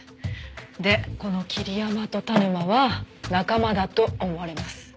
でこの桐山と田沼は仲間だと思われます。